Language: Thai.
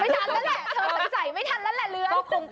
ทันแล้วแหละเธอสงสัยไม่ทันแล้วแหละเรือ